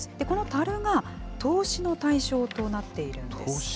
このタルが投資の対象となっているんです。